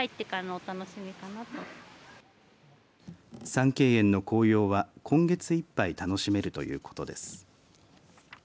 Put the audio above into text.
三景園の紅葉は今月いっぱい楽しめるということです。